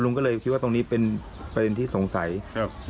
คนดรงก็เลยคิดว่าตรงนี้เป็นเครื่องที่สงสัยครับ